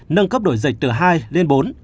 nâng cấp độ dịch từ hai lên bốn